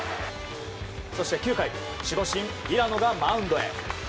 そして９回守護神・平野がマウンドへ。